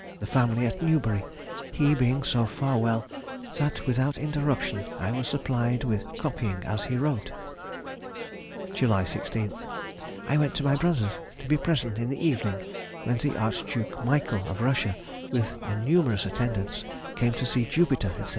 The family at Newbury; he being so far well that without interruption, I was supplied with copying as he wrote. July 16th.—I went to my brother's, to be present in the evening when the Archduke Michael of Russia, with a numerous attendance, came to see Jupiter, &c.